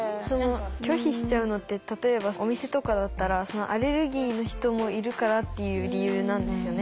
拒否しちゃうのって例えばお店とかだったらアレルギーの人もいるからっていう理由なんですよね？